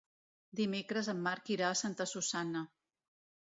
Dimecres en Marc irà a Santa Susanna.